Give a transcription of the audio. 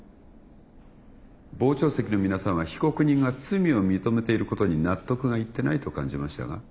傍聴席の皆さんは被告人が罪を認めていることに納得がいってないと感じましたが。